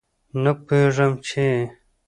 نه پوهېږم چې